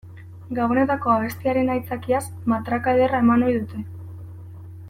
Gabonetako abestiaren aitzakiaz matraka ederra eman ohi dute.